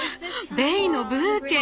ベイのブーケ。